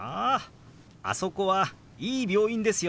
あそこはいい病院ですよね。